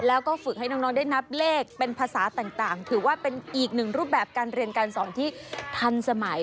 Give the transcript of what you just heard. แล้วก็ฝึกให้น้องได้นับเลขเป็นภาษาต่างถือว่าเป็นอีกหนึ่งรูปแบบการเรียนการสอนที่ทันสมัย